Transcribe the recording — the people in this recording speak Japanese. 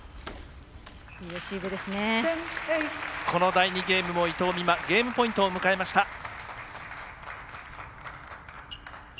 この第２ゲームも伊藤美誠ゲームポイントを迎えました。